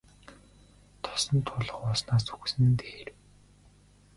Тосон туулга ууснаас үхсэн нь дээр.